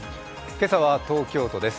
今朝は東京都です。